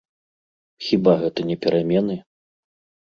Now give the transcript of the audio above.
Хіба гэта не перамены?